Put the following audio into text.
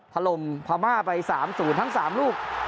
พลมพามาร์ไป๓๐ทั้ง๓ลูก